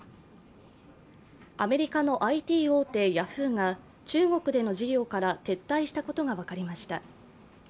アメリカのＩＴ大手・ヤフーが中国での事業から撤退したことが分かりました。